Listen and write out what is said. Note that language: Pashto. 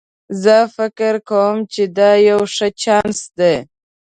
زه فکر کوم چې دا یو ښه چانس ده